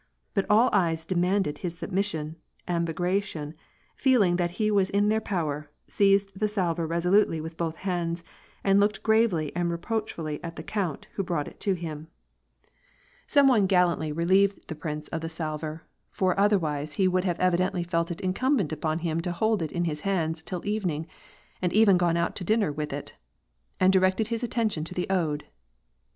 But all eyes demanded his sub mission, and Bagration, feeling that he was in their power, seized the salver resolutely with both hands, and looked gravely and reproachfully at the count who brought it to him. Some vou2,— 2, 18 WAR AND PEACE. one gallantly relieved the prince of the salver — for otherwise, he would have evidently felt it incumbent upon him to hold it in his hands till evening, and even gone out to dinner with it — and directed his attention to the ode.